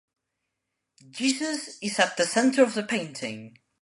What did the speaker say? Jesus is at the center of the painting.